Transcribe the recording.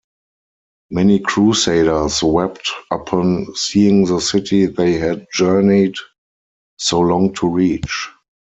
Many Crusaders wept upon seeing the city they had journeyed so long to reach.